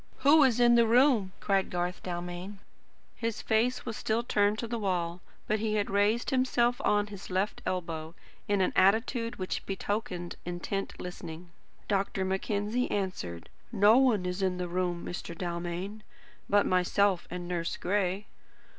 "WHO is in the room?" cried Garth Dalmain. His face was still turned to the wall; but he had raised himself on his left elbow, in an attitude which betokened intent listening. Dr. Mackenzie answered. "No one is in the room, Mr. Dalmain, but myself and Nurse Gray."